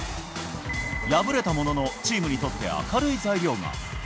敗れたものの、チームにとって明るい材料が。